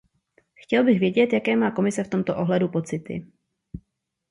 Chtěl bych vědět, jaké má Komise v tomto ohledu pocity.